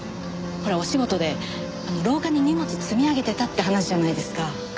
ほらお仕事で廊下に荷物積み上げてたって話じゃないですか。